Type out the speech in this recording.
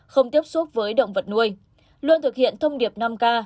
không tiếp xúc với động vật nuôi luôn thực hiện thông điệp năm k